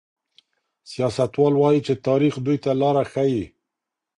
سياستوال وايي چي تاريخ دوی ته لاره ښيي.